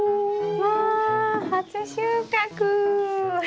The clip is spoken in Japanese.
わ初収穫。